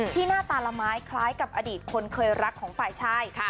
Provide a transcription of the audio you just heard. หน้าตาละไม้คล้ายกับอดีตคนเคยรักของฝ่ายชาย